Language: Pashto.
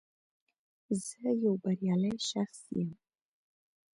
زه یو بریالی شخص یم